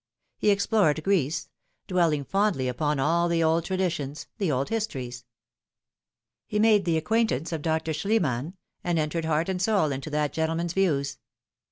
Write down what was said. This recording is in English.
He explored Greece dwelling fondly upon all the old traditions, the old histories. He made the acquaintance of Dr. Schliemann, and entered heart and soul into that gentleman's views.